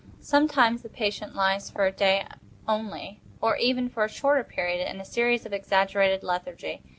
Sometimes the patient lies, for a day only, or even for a shorter period, in a species of exaggerated lethargy.